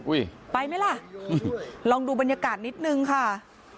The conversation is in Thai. ไปไหมล่ะลองดูบรรยากาศนิดนึงค่ะ